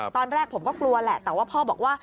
ตอนแรกผมก็กลัวแหละแต่ว่าพ่อบอกว่า